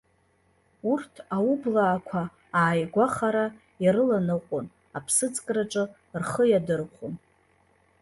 Урҭ аублаақәа ааигәахара ирыланыҟәон, аԥсыӡкраҿы рхы иадырхәон.